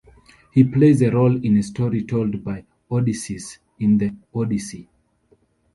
He plays a role in a story told by Odysseus, in the "Odyssey".